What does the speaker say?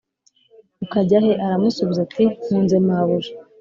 ukajya he aramusubiza ati mpunze mabuja